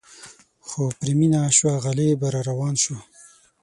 خو پرې مینه شوه غالبه را روان شو.